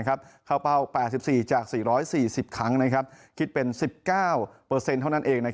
เข้าเป้า๘๔จาก๔๔๐ครั้งคิดเป็น๑๙เท่านั้นเอง